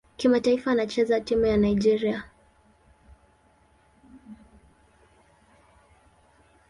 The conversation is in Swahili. Kimataifa anachezea timu ya taifa Nigeria.